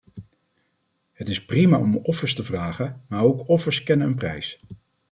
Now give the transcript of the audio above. Het is prima om offers te vragen, maar ook offers kennen een prijs.